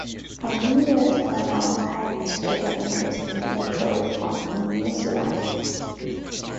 For many years Donald had a special interest in electoral reform in New Zealand.